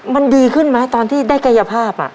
มันดีขึ้นไหมตอนที่ได้กายภาพ